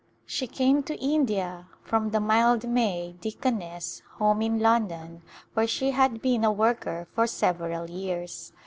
She came to India from the Mildmay Deaconess Home in London where she had been a worker for several years.